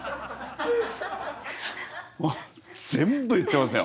全部言ってますよ。